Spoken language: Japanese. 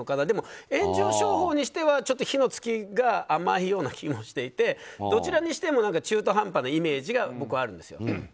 でも炎上商法にしては火の付きが甘いような気もしていてもどちらにしても中途半端なイメージが僕はあるんですよ。